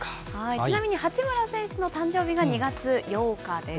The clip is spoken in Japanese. ちなみに八村選手の誕生日が２月８日です。